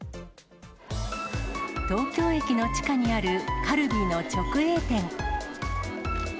東京駅の地下にあるカルビーの直営店。